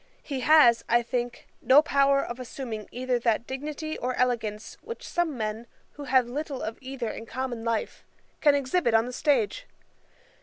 He has, I think, no power of assuming either that dignity or elegance which some men, who have little of either in common life, can exhibit on the stage.